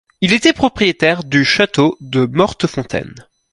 Il était propriétaire du château de Mortefontaine.